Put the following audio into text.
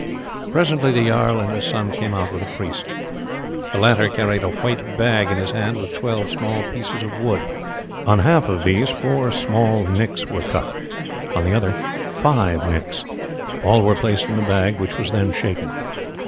Presently the jarl and his son came out with a priest. The latter carried a white bag in his hand with twelve small pieces of wood. On half of these four small nicks were cut, on the others five nicks. All were placed in the bag, which was then shaken.